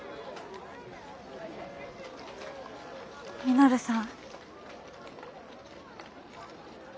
稔さん。